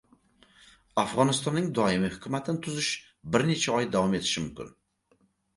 Afg‘onistonning doimiy hukumatini tuzish bir necha oy davom etishi mumkin